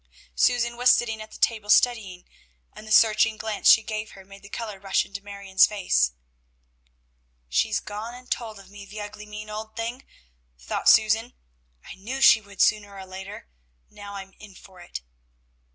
Susan was sitting at the table studying, and the searching glance she gave her made the color rush into Marion's face. "She's gone and told of me, the ugly, mean, old thing," thought Susan. "I knew she would sooner or later. Now I'm in for it!"